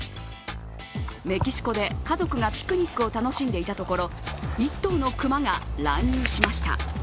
メキシコで家族がピクニックを楽しんでいたところ、１頭の熊が乱入しました。